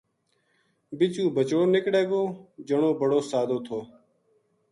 بِچو بچڑو نکڑے گو ". جنو بڑو سادو تھو